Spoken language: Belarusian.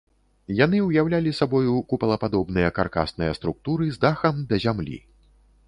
Яны ўяўлялі сабою купалападобныя каркасныя структуры з дахам да зямлі.